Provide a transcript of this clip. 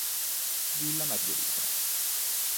Villa Margherita